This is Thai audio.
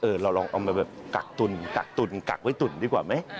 เออเราคิดเอามากักตุนกักตุนกักไว้ตุนดีกว่าไหม